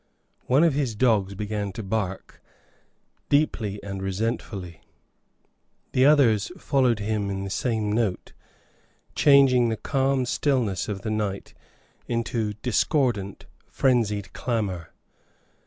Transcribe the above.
One of his dogs began to bark, deeply and resentfully. The others followed him in the same note, changing the calm stillness of the night into discordant, frenzied clamor.